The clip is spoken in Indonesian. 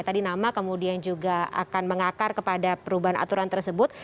tadi nama kemudian juga akan mengakar kepada perubahan aturan tersebut